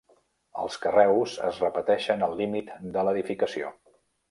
Els carreus es repeteixen al límit de l'edificació.